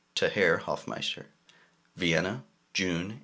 TO HERR HOFMEISTER. Vienna, June, 1801.